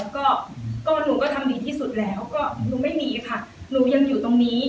ก็หนูก็ทำดีที่สุดแล้วก็หนูไม่มีค่ะหนูยังอยู่ตรงนี้